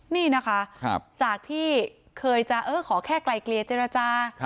นี่นะคะจากที่เคยจะขอแค่ไกลเกลียเจรจา